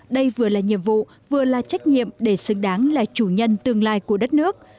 đây vừa là nhiệm vụ vừa là trách nhiệm để xứng đáng là chủ nhân tương lai của đất nước